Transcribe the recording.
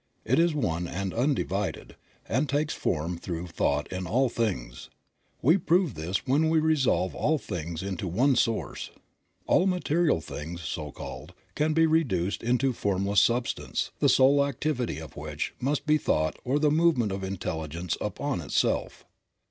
It is one and undivided, and takes form through thought in all things. We prove this when we resolve all things into one source. All material things, so called, can be reduced into formless substance, the sole activity of which must be thought or the movement of intelligence upon itself.